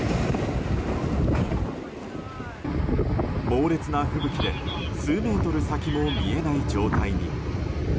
猛烈な吹雪で数メートル先も見えない状態に。